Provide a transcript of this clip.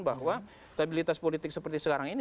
bahwa stabilitas politik seperti sekarang ini